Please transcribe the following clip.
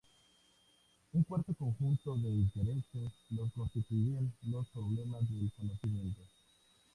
Un cuarto conjunto de intereses lo constituyen los problemas del conocimiento.